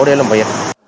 để làm việc